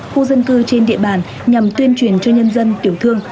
khu dân cư trên địa bàn nhằm tuyên truyền cho nhân dân tiểu thương